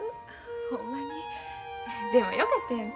ほんまにでもよかったやんか。